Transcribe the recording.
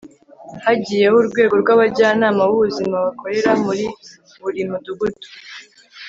hagiyeho urwego rw'abajyanama b'ubuzima bakorera muri buri mudugudu